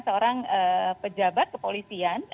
seorang pejabat kepolisian